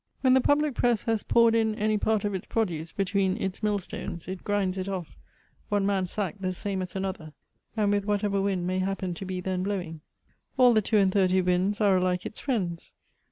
When the public press has poured in any part of its produce between its mill stones, it grinds it off, one man's sack the same as another, and with whatever wind may happen to be then blowing. All the two and thirty winds are alike its friends.